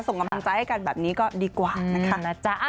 ส่งกำลังใจให้กันแบบนี้ก็ดีกว่านะคะ